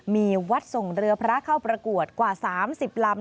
มีวัดส่งเรือพระเข้าประกวดกว่า๓๐ลำ